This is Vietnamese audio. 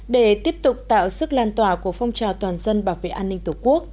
để tiếp tục tạo sức lan tỏa của phong trào toàn dân bảo vệ an ninh tổ quốc